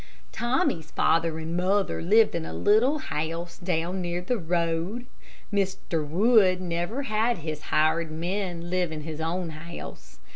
Tommy's father and mother lived in a little house down near the road. Mr. Wood never had his hired men live in his own house.